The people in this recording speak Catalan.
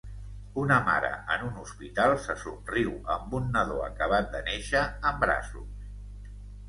Una mare en un hospital se somriu amb un nadó acabat de néixer en braços.